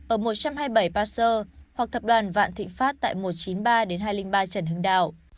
ở một trăm hai mươi bảy passer hoặc tập đoàn vạn thịnh pháp tại một trăm chín mươi ba hai trăm linh ba trần hưng đạo